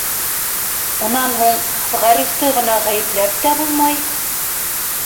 Унан һуң Ғарифты ғына ғәйепләп тә булмай.